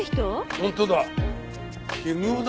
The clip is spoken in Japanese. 本当だ。